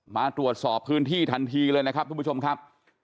มาตรวจสอบพื้นที่ทันทีเลยนะครับทุกผู้ชมครับ